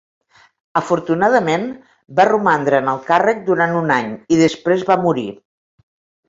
Afortunadament, va romandre en el càrrec durant un any i després va morir.